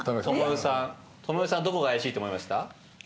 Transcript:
知世さんのどこが怪しいと思いました？